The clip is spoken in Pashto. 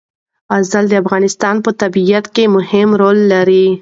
زغال د افغانستان په طبیعت کې مهم رول لري.